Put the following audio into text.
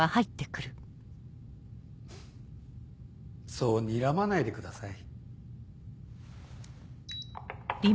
そうにらまないでください。